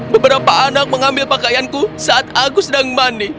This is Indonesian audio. beberapa anak mengambil pakaianku saat aku sedang mandi